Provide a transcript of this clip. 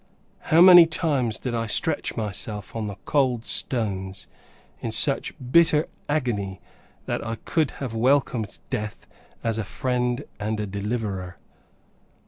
How many times did I stretch myself on the cold stones, in such bitter agony, that I could have welcomed death as a friend and deliverer!